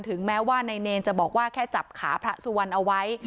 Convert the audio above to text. แม้ว่านายเนรจะบอกว่าแค่จับขาพระสุวรรณเอาไว้